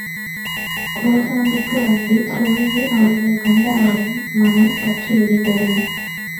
கோசாம்பிக்கு வந்து சோலையில் அவர்களைக் கண்ட அவன் மனம் பற்றி எரிந்தது.